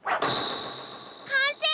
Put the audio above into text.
かんせい！